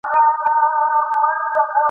زاهده زما پر ژبه نه راځي توبه له میو !.